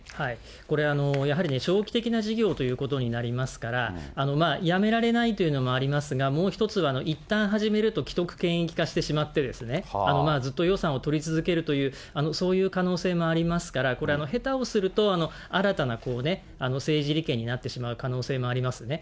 これ、やはり長期的な事業ということになりますから、やめられないというのもありますが、もう一つはいったん始めると、既得権益化してしまって、ずっと予算を取り続けるというそういう可能性もありますから、これ、へたをすると、新たな政治利権になってしまう可能性もありますね。